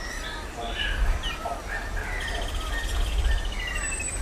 Sie wollte schreien, aber es kam kein Laut aus ihrer Kehle.